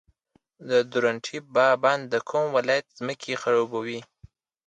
د درونټې بند د کوم ولایت ځمکې خړوبوي؟